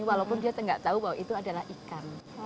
walaupun dia tidak tahu bahwa itu adalah ikan